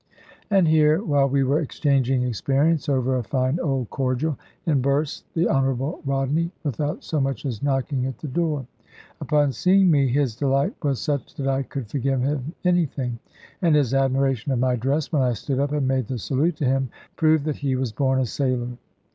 And here, while we were exchanging experience over a fine old cordial, in bursts the Honourable Rodney, without so much as knocking at the door. Upon seeing me his delight was such that I could forgive him anything; and his admiration of my dress, when I stood up and made the salute to him, proved that he was born a sailor.